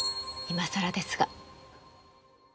いまさらですが。